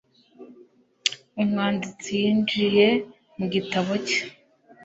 Umwanditsi yinjiye mu gitabo cye.